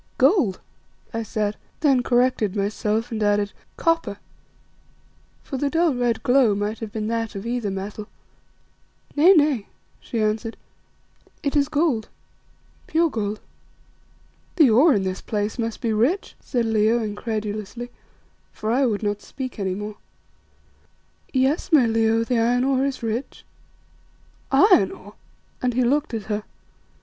"Gold," I said, then corrected myself and added, "Copper," for the dull, red glow might have been that of either metal. "Nay, nay," she answered, "it is gold, pure gold." "The ore in this place must be rich," said Leo, incredulously, for I would not speak any more. "Yes, my Leo, the iron ore is rich." "Iron ore?" and he looked at her.